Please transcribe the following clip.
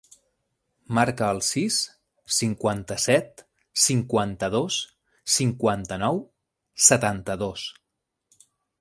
Marca el sis, cinquanta-set, cinquanta-dos, cinquanta-nou, setanta-dos.